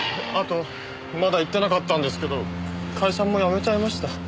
あとまだ言ってなかったんですけど会社も辞めちゃいました。